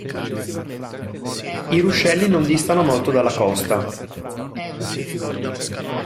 I ruscelli non distano molto dalla costa.